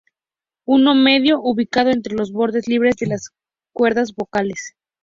Uno medio, ubicado entre los bordes libres de las cuerdas vocales.